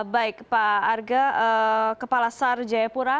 baik pak arga kepala sar jayapura